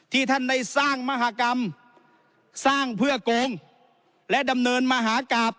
ท่านได้สร้างมหากรรมสร้างเพื่อโกงและดำเนินมหากราบ